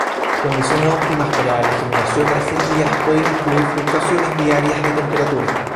Condiciones óptimas para la germinación de las semillas pueden incluir fluctuaciones diarias de temperatura.